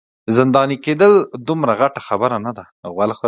زنداني کیدل دومره غټه خبره نه ده.